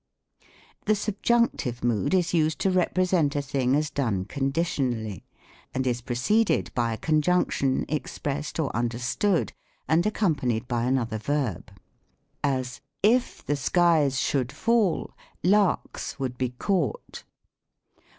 The Subjunctive Mood is used to represent a thing as done conditionally ; and is preceded by a conjunc tion, expressed or understood, and accompanied by another verb : as, " If the skies should fall, larks would be caught."